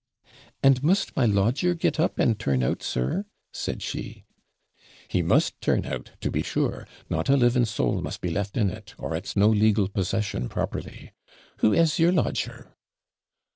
'And must my lodger get up and turn out, sir?' said she. 'He must turn out, to be sure not a living soul must be left in it, or it's no legal possession properly. Who is your lodger?'